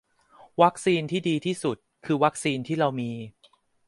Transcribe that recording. วัคซีนที่ดีที่สุด คือวัคซีนที่เรามี